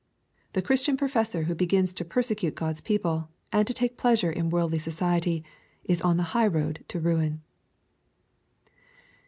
The Christian professor who begins to persecute God's people, and to take pleasure in worldly society, is on the high road to ruin.